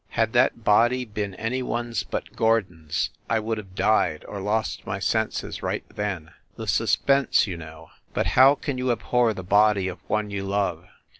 Had that body been any one s but Gordon s, I would have died, or lost my senses right then. The suspense, you know. But how can you abhor the body of one you love